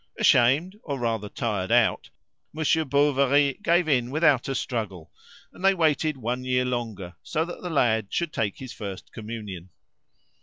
Ashamed, or rather tired out, Monsieur Bovary gave in without a struggle, and they waited one year longer, so that the lad should take his first communion.